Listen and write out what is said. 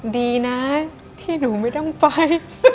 ดีนะที่หนูไม่ต้องไป